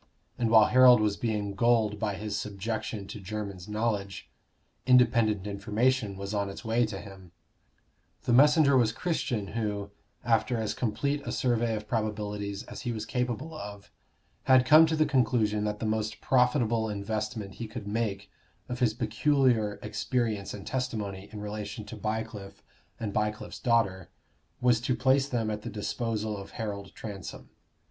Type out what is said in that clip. And while Harold was being gulled by his subjection to Jermyn's knowledge, independent information was on its way to him. The messenger was Christian, who, after as complete a survey of probabilities as he was capable of, had come to the conclusion that the most profitable investment he could make of his peculiar experience and testimony in relation to Bycliffe and Bycliffe's daughter, was to place them at the disposal of Harold Transome.